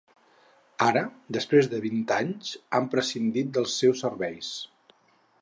Ara, després de vint anys, han prescindit dels seus serveis.